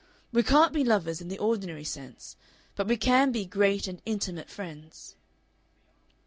We can't be lovers in the ordinary sense, but we can be great and intimate friends."